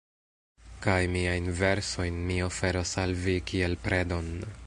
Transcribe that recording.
Kaj miajn versojn mi oferos al vi kiel predon.